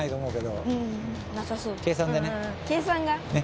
計算が？ね。